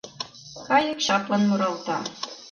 Кайык чаплын муралта